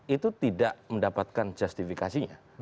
itu tidak mendapatkan justifikasinya